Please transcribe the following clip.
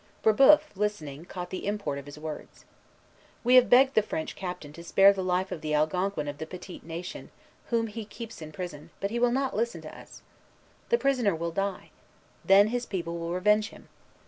Brébeuf, listening, caught the import of his words. "We have begged the French captain to spare the life of the Algonquin of the Petite Nation whom he keeps in prison; but he will not listen to us. The prisoner will die. Then his people will revenge him.